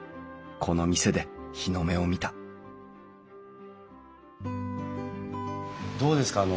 この店で日の目を見たどうですか？